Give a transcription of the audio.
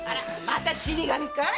また死神かい？